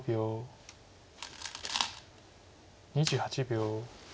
２８秒。